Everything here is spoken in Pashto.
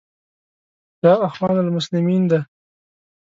دا اخوان المسلمین ده.